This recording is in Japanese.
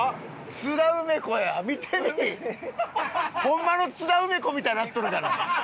津田梅子や見てみ！ホンマの津田梅子みたいになっとるがな。